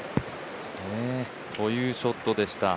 こういうショットでした。